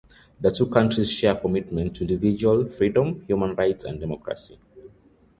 The two countries share a commitment to individual freedom, human rights, and democracy.